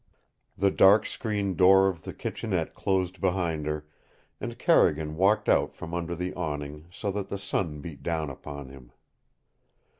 The dark screened door of the kitchenette closed behind her, and Carrigan walked out from under the awning, so that the sun beat down upon him.